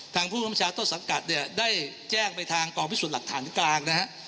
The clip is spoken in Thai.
ทางผู้บัญชาต้นสังกัดเนี่ยได้แจ้งไปทางกองพิสูจน์หลักฐานกลางนะฮะ